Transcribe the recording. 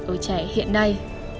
ở trẻ hiện nay